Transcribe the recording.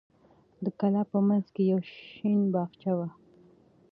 د کلا په منځ کې یو شین باغچه وه.